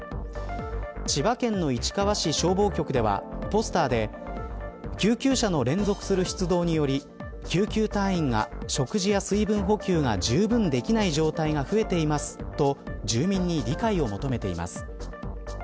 千葉県の市川市消防局ではポスターで救急車の連続する出動により救急隊員が食事や水分補給が十分できない状態が増えていますと住民に理解を求めています。